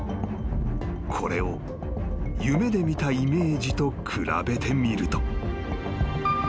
［これを夢で見たイメージと比べてみると］